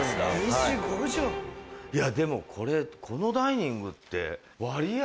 でもこれこのダイニングって割合